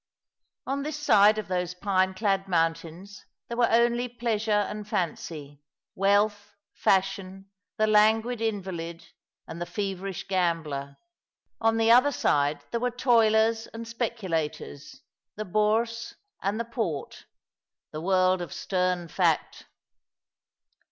On this side of those pine clad mountains there were only pleasure and fancy, wealth, fashion, the languid invalid, and the feverish gambler ; on the other side there were toilers and speculators, the bourse and the port, the world of stern fact.